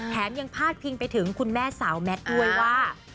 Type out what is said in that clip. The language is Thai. ยังพาดพิงไปถึงคุณแม่สาวแมทด้วยว่า